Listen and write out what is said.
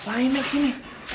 lainnya di sini